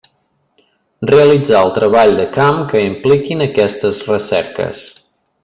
Realitzar el treball de camp que impliquin aquestes recerques.